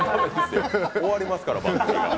終わりますから、番組が。